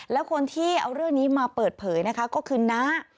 แล้วคนที่เอาเรื่องนี้มาเปิดเผยนะคะก็คือน้า